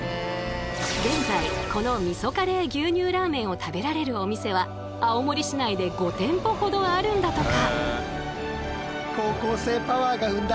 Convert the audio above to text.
現在このみそカレー牛乳ラーメンを食べられるお店は青森市内で５店舗ほどあるんだとか。